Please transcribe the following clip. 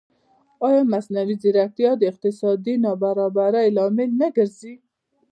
ایا مصنوعي ځیرکتیا د اقتصادي نابرابرۍ لامل نه ګرځي؟